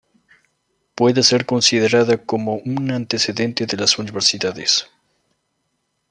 Puede ser considerada como un antecedente de las universidades.